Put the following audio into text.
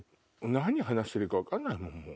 何話してるか分かんないもん。